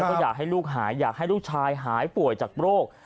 ก็อยากให้ลูกหายอยากให้ลูกชายหายป่วยจากโรค